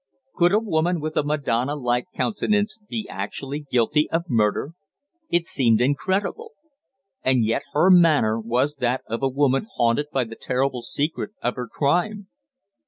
Could a woman with a Madonna like countenance be actually guilty of murder? It seemed incredible. And yet her manner was that of a woman haunted by the terrible secret of her crime.